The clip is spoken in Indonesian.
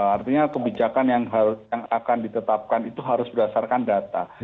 artinya kebijakan yang akan ditetapkan itu harus berdasarkan data